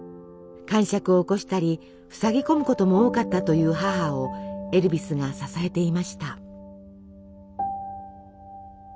かんしゃくを起こしたりふさぎ込むことも多かったという母をエルヴィスが支えていました。